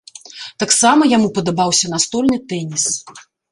Таксама яму падабаўся настольны тэніс.